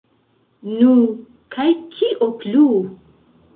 Nu, kaj kio plu?